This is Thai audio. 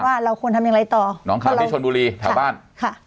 ว่าเราควรทำอย่างไรต่อน้องเขาที่ชนบุรีแถวบ้านค่ะ